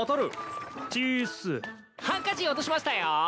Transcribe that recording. ハンカチ落としましたよ。